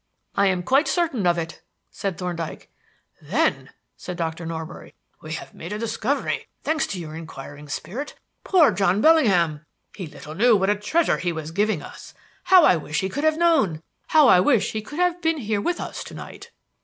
"I am quite certain of it," said Thorndyke. "Then," said Dr. Norbury, "we have made a discovery, thanks to your inquiring spirit. Poor John Bellingham! He little knew what a treasure he was giving us! How I wish he could have known! How I wish he could have been here with us to night!"